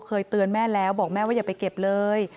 เคยเตือนแม่แล้วบอกแม่ว่าอย่าไปเก็บเลย